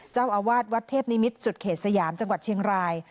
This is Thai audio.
เจ้าอาวาสวัดเทพนิมิตรสุดเขตสยามจังหวัดเชียงราย